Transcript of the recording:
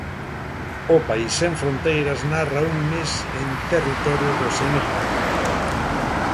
O país sen fronteiras narra un mes en territorio do Senegal.